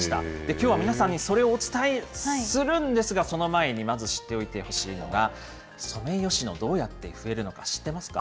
きょうは皆さんにそれをお伝えするんですが、その前にまず知っておいてほしいのが、ソメイヨシノ、どうやって増えるのか、知ってますか。